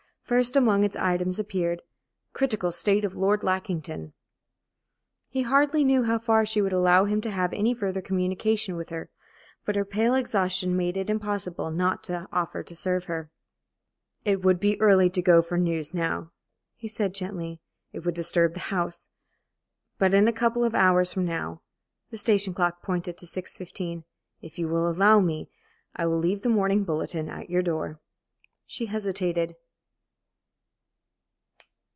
First among its items appeared: "Critical state of Lord Lackington." He hardly knew how far she would allow him to have any further communication with her, but her pale exhaustion made it impossible not to offer to serve her. "It would be early to go for news now," he said, gently. "It would disturb the house. But in a couple of hours from now" the station clock pointed to 6.15 "if you will allow me, I will leave the morning bulletin at your door." She hesitated.